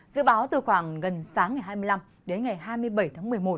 dự báo từ khoảng gần sáng ngày hai mươi năm đến ngày hai mươi bảy tháng một mươi một